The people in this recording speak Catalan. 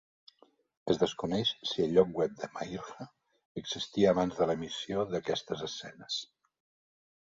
Es desconeix si el lloc web de Mahirha existia abans de l'emissió d'aquestes escenes.